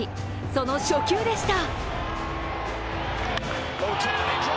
その初球でした。